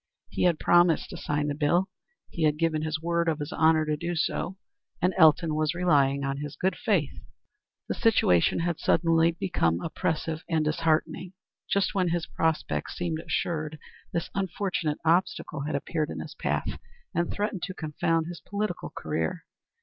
He had promised to sign the bill. He had given his word of honor to do so, and Elton was relying on his good faith. The situation had become suddenly oppressive and disheartening. Just when his prospects seemed assured this unfortunate obstacle had appeared in his path, and threatened to confound his political career.